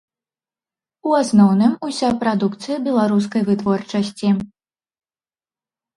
У асноўным уся прадукцыя беларускай вытворчасці.